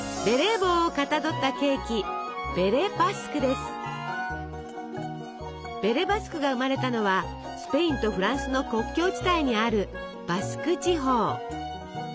ベレー帽をかたどったケーキベレ・バスクが生まれたのはスペインとフランスの国境地帯にあるバスク地方。